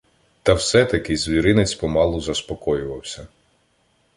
Та все-таки "звіринець" помалу заспокоювався.